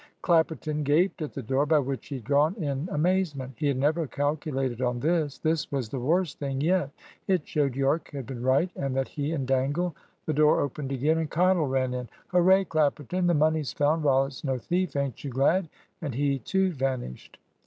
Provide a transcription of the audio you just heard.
Clapperton gaped at the door by which he had gone in amazement. He had never calculated on this. This was the worst thing yet. It showed Yorke had been right, and that he and Dangle The door opened again, and Cottle ran in. "Hurray, Clapperton! The money's found. Rollitt's no thief. Ain't you glad?" And he, too, vanished.